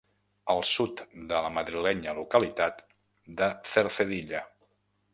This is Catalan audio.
Al sud de la madrilenya localitat de Cercedilla.